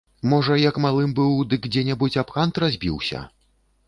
Можа, як малым быў, дык дзе-небудзь аб кант разбіўся?